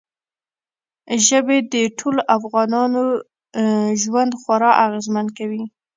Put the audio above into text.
ژبې د ټولو افغانانو ژوند خورا اغېزمن کوي.